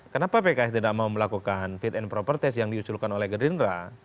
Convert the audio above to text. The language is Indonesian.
kenapa pks tidak mau melakukan fit and proper test yang diusulkan oleh gerindra